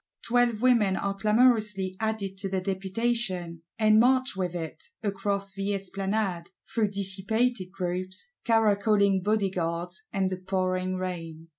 Twelve women are clamorously added to the Deputation; and march with it, across the Esplanade; through dissipated groups, caracoling Bodyguards, and the pouring rain.